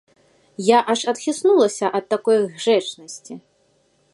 Я аж адхіснулася ад такой гжэчнасці!